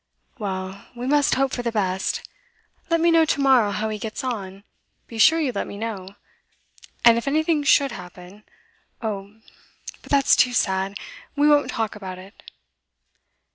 'Well, we must hope for the best. Let me know to morrow how he gets on be sure you let me know. And if anything should happen oh, but that's too sad; we won't talk about it.